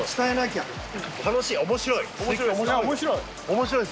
面白い！